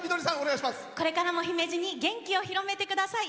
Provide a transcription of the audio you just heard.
これからの姫路に元気を広めてください。